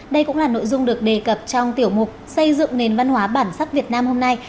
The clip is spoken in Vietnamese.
đây cũng là nội dung được đề cập trong tiểu mục xây dựng nền văn hóa bản sắc việt nam hôm nay